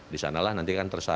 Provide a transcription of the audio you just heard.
di sanalah nanti kan tersatukan